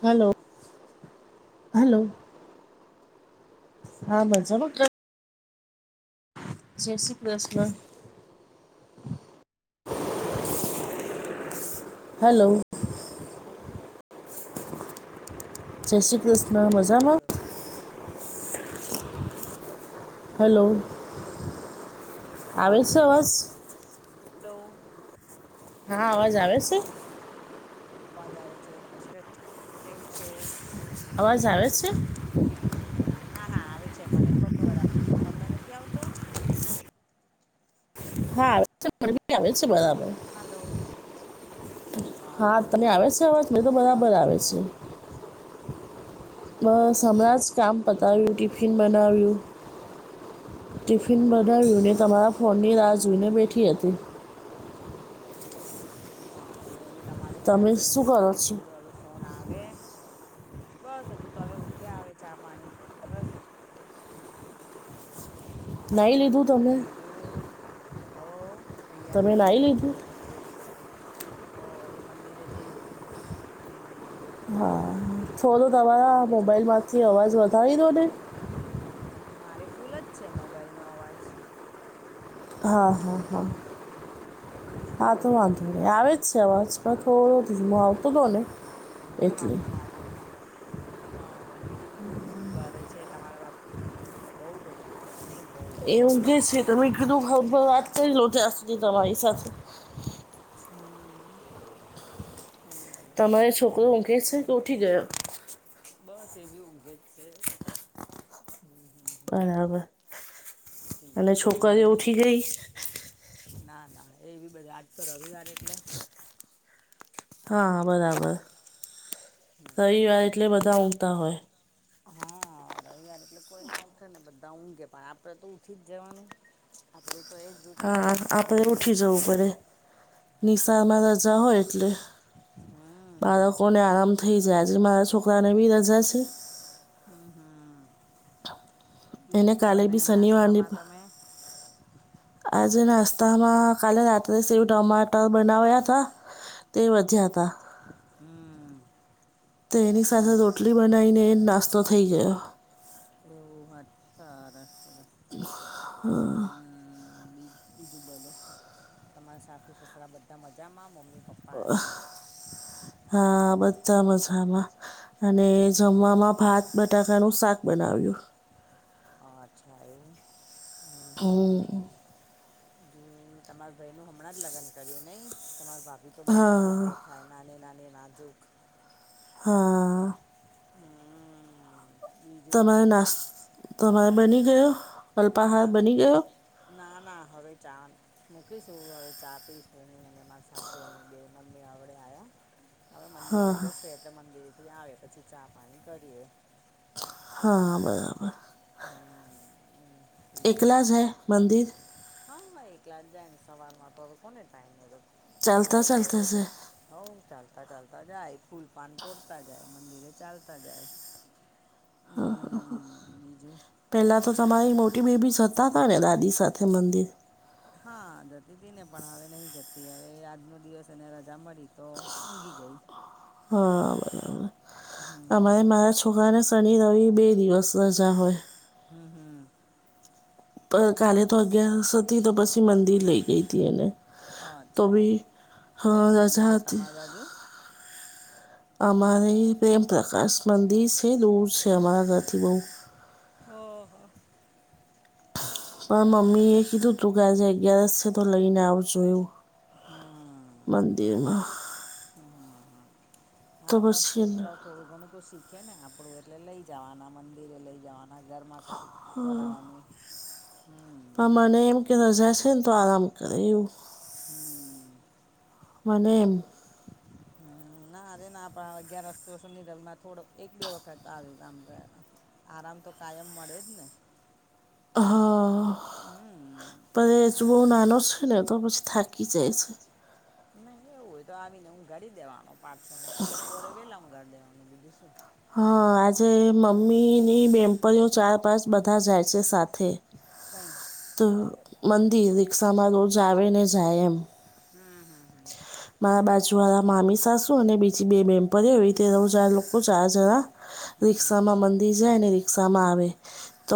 Hello hello. હા મજા માંકે જેસી પ્લેસ હા હલો જય શ્રી કૃષ્ણ મજામાં ત [inaudible] ઠંડો બી હલો લાગે. આવે છે અવાજ હલો હા અવાજ આવે છે અવાજ આવે છે કેવું છે અવાજ આવે છે હા હા આવે છે મને તો બરોબર તમને નથી આવતોું. હા આવે આવે છે બરાબર હલો હા તને આવે છે અવાજ મને તો શું બરાબર કરો આવે છો છે બસ હમણાં જ કામ હા પતાવ્યું બીજું ટિફિન બનાવ્યું ટિફિન બનાવ્યુંને હા જય તમારા શ્રી ફોનની રાહ કૃષ્ણ જોઈને બેઠી હતી હા હું બી તમારી જ રાહ તમે શું કરો જોઇમેં છો કીધું ફોન આવે બસ હજુ તો હવે ઉઠ્યા આવે ચા પાણી સરસ નાહી લીધું હમ તમે બીજું હો તૈયાર તમે થઇ નાહી ગયા હવે લીધું મંદિરે હો હવે મંદિરે જઈએ હમ હા હા, બીજું છમોબાઈલમાંથી અવાજ વધારી તો ને મારે ફૂલ જ છે મોબાઈલનોો અવાજ. હા હા હા હા વાંધો નહી આવે જ છે અવાજ પણ થોડુ આવતોું હતો ને હા એટલે હા હા બીજું શું કરે છે તમારા બાપ બહુ તોફાન. એને બ બૌ બાપા કિધુ ફોન પર વાત કરી લ ઉ તમારી સાથે. હમ [unintelligible] તમારો છોકરો ઉધે છે કે ઉઠી ગયો. બસ એવી ઊઘે જ છે. બરાબર અને ી છોકરીઓ મીડુઝ ઉઠી ગઈ ના ના એવી બધા આજ તો રવિવાર એટલે હા બરાબર. હમ રવિવાર મુ એટલે જત બધા ઊંઘતા હોય [unintelligible] હા રવિયાર એટલે કોઈ ના ઉઠે ને બધા ઊંઘે પણ આપડે તો ઉઠી જ જવાનું આપણું તો એ જ રૂટીન ઉપરે નિશાર માં રજા હોય એટલે હમ બાળકોને આરામ થઈ જાય છે મારા છોકરાને બી રજા છે હ હ બીજું શું બનાવ્યું નાસ્તામાં તમે હ [inaudible] આજે નાસ્તામાં કાલે રાત્રે સેવ ટમાટર બનાવ્યા હતા તે વધ્યા હતા હમ તે એની સાથે હમ રોટલી બનાવીને એજનાસ્તો થઈ ગયો. ઓ વા હારે હમ [unintelligible] બી- બીજું બોલો તમારા સાસુ સસરા બધા મજામાં મમ્મી પપ્પાને હા, બધા મજામાં અને જમવામાં ભાત બટાકાનું શાક બનાવેલુ હ, અચ્છા એવું છે હમ હું, તમાર ભાઈ નું હમણાં જ લગ્ન કર્યું નહી, તમાર ભાભી તો બહુ જ હા સરસ દેખા થાય નાની, નાની નાજુક હા હમ બીજું તમારો નાસ્તો, તમારો બની ગયો અલ્પાહાર ના બની ગયો ના ના હવે ચા મૂકીશું હવે ચા આપીશ અને મા સાસુ અને બે મમ્મી આવડે આ્યા હવે મંદિરે જશે એટલે મંદિરેથી આવે પછી ચા પાણી કરીએ. હા, બરાબર હમ હમ, ઠીક છે એકલા જાય મંદિર હા, એકલા જાય ને સવાર માં થોડો કોને ટાઈમ મળે ચાલતા જોડે, ચાલતા જોડે જ છે હઉ, ચાલતા, ચાલતા જાય ફૂલ પાન તોડતા જાય, મંદિરે ચાલતા જાય હમ્મ બીજું પહેલાં તો તમારી મોટી બેબી જતા હતા ને દાદી સાથે મંદિર હા, જતી હતી ને પણ હવે નહીં જતી હવે આજનો દિવસ એને રજા મળી તો ઊંઘી ગઈ હ, બરાબર હમ અમારે હમ મારા છોકરાને શનિ, રવિ બે દિવસ રજા હોય હમ, હમ ગઈકાલે તો હા અગિયારસ હતી તો પછી મંદિર લઈ ગઈ હતી એને તો અચ્છા એવું બી કયું મંદિર છે તમારી [unintelligible] બાજુ અમારે અહી પ્રેમ પ્રકાશ મંદિર છે દૂર છે અમારા ઘરથી બહુ હો, હ પણ મમ્મી એ કીધું તું કે આજે અગિયારસ છે તો લઈને આવજે એવું હમ મંદિરમાં હમ, હ, તો હા, પણ પછી છું ઉતરાઠ થોડું ઘણું તોું શીખે ને આપણું એટલે લઈ જવાના મંદિરે લઈ જવાના, ઘરમાં કશું કરાવાનું, હમ પણ મને એમ કે રજા છેને તો આરામ કરેવું એવું હમ મને એમ હમ ના અરે આપણા અગિયાર વસ્તુ સુરલમાં થોડોક એક બે વખત આવ્યુંામ ગયા આરામ તો કાયમ મળે જ ને હા હમ એજ બહુ નાનો છે ને તો પછી થાકી જાય છે ને એવું હોય તો આવી ને ઊગાડી દેવાનો પાછો ને તો બપોરે વેલા હું ઊંગાડી દેવાનું બીજું શું હા, આજે મમ્મીની બહેનપણીઓ ચાર, પાંચ બધા જાય છે સાથે કઈ તો મંદિર રિક્ષામાં રોજ આવે ને જાય એમ હમ હમ હમ મારા બાજુ વાળા મામી સાસુ અને બીજી બે બહેનપણીઓ એવી રીતે ત્રણ, ચાર લોકો ચાર જણા હમ રિક્ષામાં મંદિર જાય ને રિક્ષા માં આવે તો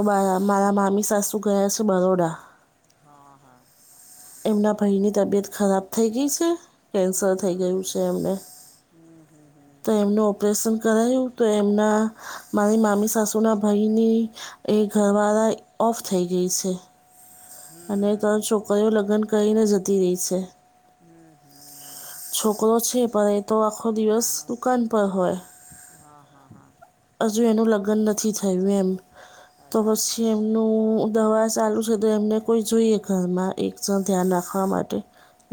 મારા મામી સાસુ ગયા છે બરોડા હા, હા એમના ભઈની તબિયત ખરાબ થઈ ગઈ શ હમ કેન્સર થઈ હમ ગયું છે એમને હમ હમ તો એમનો ઓપરેશન કરાયું તો એમના મારી મામી સાસુ ના ભાઈની એ ઘરવાળા ઓફ થઈ ગઈ છે અને હમ તર છોકરીઓ લગ્ન કરીને જતી રહી છે હમ હમ છોકરો છે પણ એ તો આખો દિવસ નાનો દુકાન છે પર હોય હા હા હા હજુ એનું લગ્ન નથી થયું એમ તો પછી એમ નું દવા ચાલુ છે તો એમને કોઈ જોઈએ ઘરમાં એકણ ધ્યાન રાખવા માટે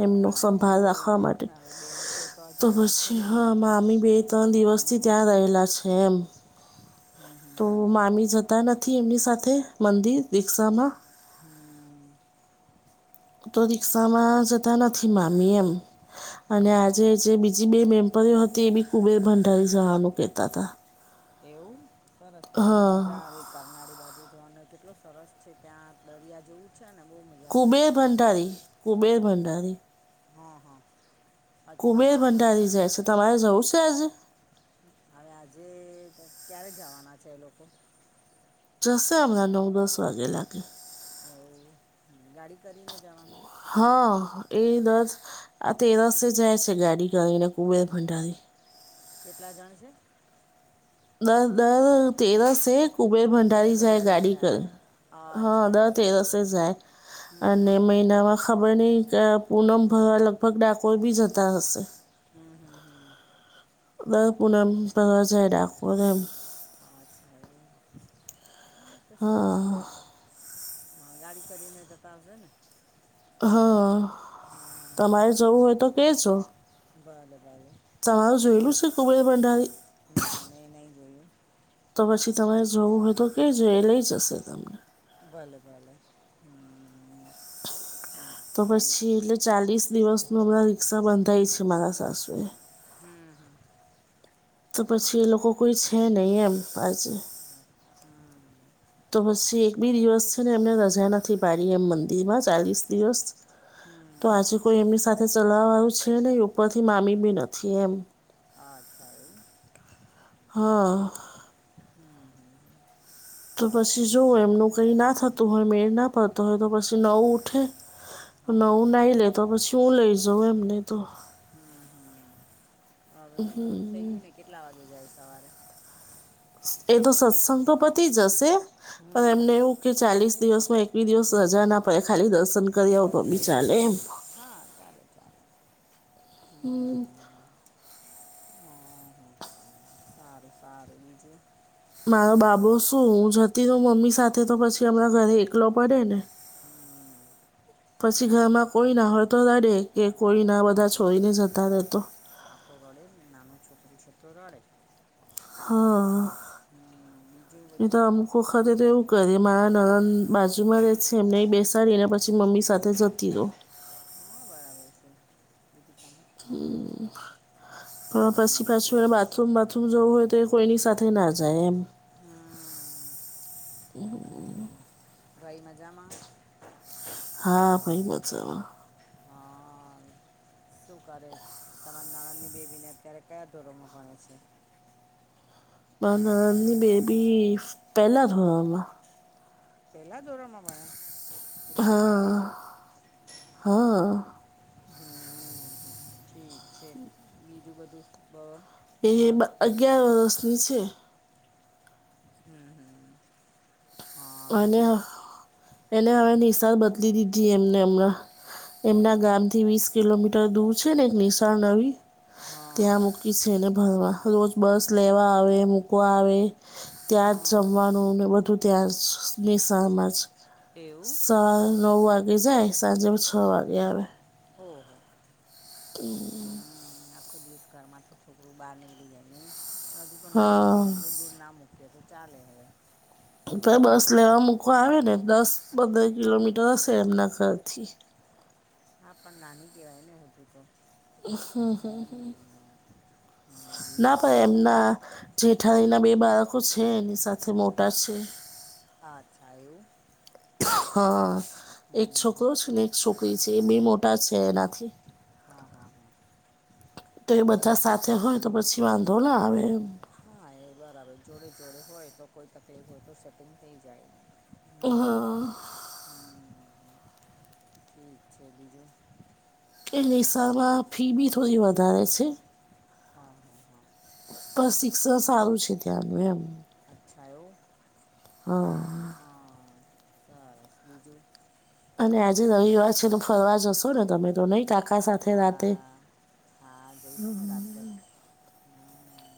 એમનો હા એ તો સંભાળ રાખવા જોઈએ જ માટે ને હવે બેન છે આ તો જાય પછી ખરી હ ને હવે મામી બે ત્રણ દિવસ થી હા ત્યાં રહેલા છે એમ [inaudible] તો હમ મામી જતા નથી એમની સાથે મંદિર દીક્ષામાં હમ તો રિક્ષામાં જતા નથી મામી એમ અને આજે હા જે બજ બે મેમ્પરીઓ હતી એ બી કુબેર ભંડારી જવાનું કેહેતા હતા એવું સરસ ત્યાં બી મજા હા આવે કરનાળી બાજુ જોવાનું કેટલો સરસ છે ત્યાં દરિયા જેવું છે ને બહુ મજા આવે કુબેર ત્યાં ભંડારી કુબેર ભંડારી હા હા અચ્છા કુમેર હા ભંડારી જાય છે તમારે જવું છે આજે હવે આજે ક્યારે જવાના છે એ લોકો જસસે હમને નવ દસ વાગે લાગે હ ગાડી કરીને જવાનું હા એ દસ આ તેરસે જાય છે ગાડી કરીને કુબેર ભંડારી કેટલા જણ છે દસ દસ તેરસ સ કુબેર ભંડારી જાય ગાડી કર હા અચ્છા દા તેરસે એવું જાય હમ હમ અને મહિનામાં ખબર નહીં કે પૂનમ ભરવા લગભગ ડાકોઈ બી જતા હશે હમ હમ હમ પ પુનમ પ્રદ છે ડાખવા અચ્છા એ હ તો સરસ મે હા, હા ગાડી કરીને જતા આવશે ને હા હા તમારે જવું હોય તો કેજો બલે બાલે તમારું જોયેલું છે કુબળે ભંડારી ના મેં નહીં જોયું તો પછી તમારે જોવું હોય તો ક જોઈ એ લઈ જશે તમને ભલે ભલે હ તો પછી એટલે ચાલીસ દિવસનું હમણાં રિક્ષા બંધાય છે મારા સાસુએ હમ હ તો પછી એ લોકો કોઈ છે નહીં એમ આજે ઓકે હમ તો પછી એક બી દિવસ છે ને એમને રજા નથી પાડી એમ મંદિરમાં ચાલીસ દિવસ હમ તો આજે કોઈ એમની સાથે ચલાવાવાળું છે ને ઉપર થી મામી બી નથી એમ હ અચ્છા એ હમ હમ હમ તો પછી જોવ એમનું કઈ ના થતું હોય મેળ ના પડતો હોય તો પછી નવું ઉઠે નવું હા નાહી લેતો પછી હું લઈ જાઉં એમને તો હમ હમ હવે તો મોડું થઇ ગયું ને કેટલા વાગે જાય સવારે એ તો સત્સંગો પતિ જ હશે પણ હમ એમને એવું કે ચાલીસ દિવસ માં એક બી દિવસ રજા ના પડે ખાલી દર્શન કરી આવ પમી દર્શન ચાલે કરીને એમ હા ચાલે ચાલે હમ હમ, હમ. સારું સારું બીજું મારો બાબો શું હું જતી તો મમ્મી સાથે તો પછી હમણાં ઘરે એકલો પડે ને હમ, [inaudible] પછી ઘરમાં કોઈ ના હોય તો દાડે કે કોઈ ના બધા છોઈને જતા રહેતો હાથો ગડે નનોુ છત્રી છત્ર ઘડે હા હમ, બીજું એ તો બધું આ વખતે તો એવું કરી મારા નાના બાજુમાં રહે છે એમને બેસાડીને પછી મમ્મી સાથે જતી‌ રહો હા બરાબર સી [unintelligible] એટ ચ [unintelligible] કે [unintelligible] પણ પછી પાછું એને ઠીક. બાથરૂમ બાથરૂમ જવું હોય તો એ કોઈની સાથે ના જાય એમ હમ, હમ, હમ, હમ. ભાઈ મજામાં હા ભાઈ મજામાં હા શું કરે તમારા નાનાંની બેબીને અત્યારે કયા ધોરોણમાં ભણે છે મા નાની બેબી પહેલા ધમાં પેલા ધોરણમાં ભણે એટલી નાની છે હા હા હમ ઠીક છે બીજું બધું બ એ નવી અગિયાર વર્ષની છે હમ હમ હા અને બીજું એને હવે નિશાર બદલી દીધી એમને હમણાં એમના એવું ગામ થી વીસ કિલોમીટર દૂર છે ને એક નિશાળ રવી હા ત્યાં ક છેને ભરવા રોજ બસ લેવા આવે મૂકવા આવે ત્યાં જ હા હ જમવાનું ને બધું ત્યાં જ શું નિશામ જ એવું સા નવ વાગે જાય સાંજે છ વાગે આવે ઓહો હમ [unintelligible] હમ આખો દિવસ ઘર માંથી છોકરું બહાર નીકળી જાય નહીં પણ હજુ તો નાની છે હા એટલું દૂર ના મૂકીએ તો ચાલે હવે તો બસ લેવા મૂકોવા આવે ને દસ પંદર કિલોમીટર હશે એમના ઘરથી હા પણ નાની કહેવાય ને હજુ તો. હા, હા, હા. હમ હમ ના પણ એમના જેઠાણીના બે બાળકો છે એની સાથે મોટા છે અચ્છા એવું હા એક હમ છોકરો છે ને એક છોકરી છે એ બે મોટા છે એનાથી હા હા હા તો એ બધા સાથે હોય તો પછી વાંધો ના આવે હા હા એ બરાબર જોડે જોડે હોય તો કોઈ તકલીફ હોય તો સેટિંગ થઈ જાય હમ હમ ઠીક છે બીજું એ લિકસામાં ફી બી થોડી વધારે છે હા હા હા પણ શિક્ષણ સારું છે ત્યાંનું એમ અચ્છા એવું. હા. હા સરસ બીજું અને આજે રવિવાર છે તો ફરવા જશો ને તમે તો નહી કાકા સાથે રાતે? હા હા, જઈશ ને રાત્રે. હમ,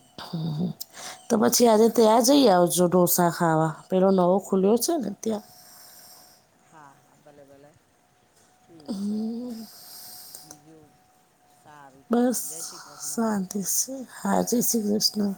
[inaudible] તો પછી આજે ત્યાં જઈ આવજો ઢોસા ખાવા, પેલો નવો ખુલ્યો છે ને ત્યાં. હા ભલે ભલે ઠીક છે બીજું સારું ચાલો, જય શ્રી કૃષ્ણ. [inaudible] હા, જય શ્રી કૃષ્ણ.